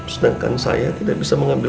sedangkan saya tidak bisa mencari a'a